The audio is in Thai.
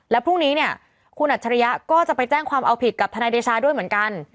แล้วพรุ่งนี้เนี่ยคุณอัจฉริยะก็จะไปแจ้งความเอาผิดกับทนายเดชาด้วยเหมือนกัน